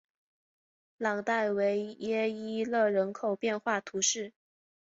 朗代维耶伊勒人口变化图示